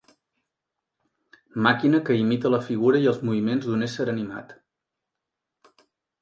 Màquina que imita la figura i els moviments d'un ésser animat.